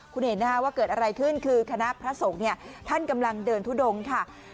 คุณเห็นนะคะว่าเกิดอะไรขึ้นคือคณะพระสงฆ์เนี่ยท่านกำลังเดินทุดงค่ะ